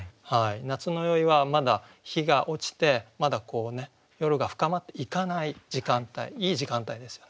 「夏の宵」はまだ日が落ちてまだ夜が深まっていかない時間帯いい時間帯ですよね。